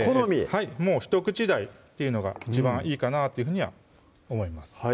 はいひと口大っていうのが一番いいかなっていうふうには思います